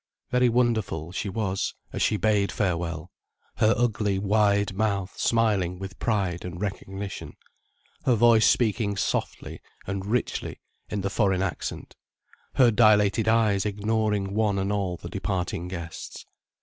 Very wonderful she was, as she bade farewell, her ugly wide mouth smiling with pride and recognition, her voice speaking softly and richly in the foreign accent, her dilated eyes ignoring one and all the departing guests.